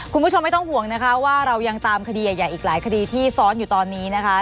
คุณผู้ชมไม่ต้องห่วงนะคะว่าเรายังตามคดีใหญ่อีกหลายคดีที่ซ้อนอยู่ตอนนี้นะคะ